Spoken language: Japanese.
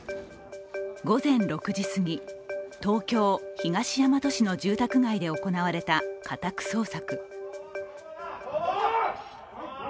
午前６時すぎ東京・東大和市の住宅街で行われた家宅捜索。